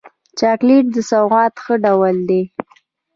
چاکلېټ د سوغات ښه ډول دی.